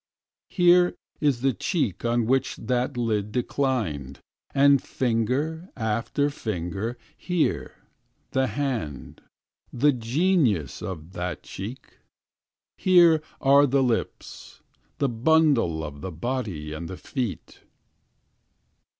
Here is the cheek on which that lid declined. And, finger after finger, here, the hand. The genius of that cheek. Here are the lips. The bundle of the body and the feet.